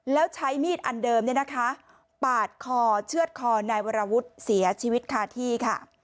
แล้วใช้มีดอันเดิมเนี่ยนะคะปาดคอเชื่อดคอนายวรวุฒิเสียชีวิตคาที่ค่ะ